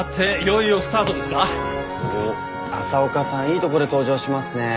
いいとこで登場しますね。